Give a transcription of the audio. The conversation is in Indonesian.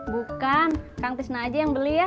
bukan kang tisna aja yang beli ya